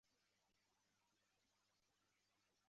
又问有何美句？